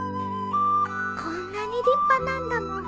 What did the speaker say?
こんなに立派なんだもん。